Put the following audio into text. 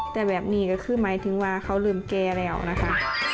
แต่แบบนี้ก็คือหมายถึงว่าเขาเริ่มแก่แล้วนะคะ